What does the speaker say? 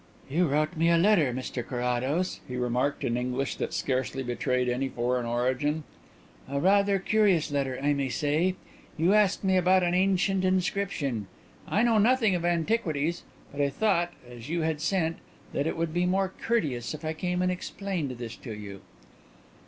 "You wrote me a letter, Mr Carrados," he remarked, in English that scarcely betrayed any foreign origin, "a rather curious letter, I may say. You asked me about an ancient inscription. I know nothing of antiquities; but I thought, as you had sent, that it would be more courteous if I came and explained this to you."